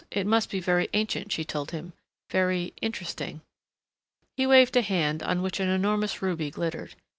It must be very ancient, she told him. Very interesting. He waved a hand on which an enormous ruby glittered.